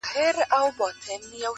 تر مرگه پوري هره شـــپــــــه را روان